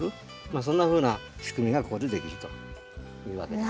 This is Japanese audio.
まあそんなふうな仕組みがここでできるというわけです。